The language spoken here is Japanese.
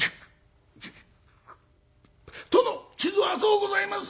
「殿！傷は浅うございます」。